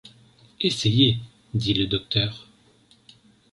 Essayez, dit le docteur.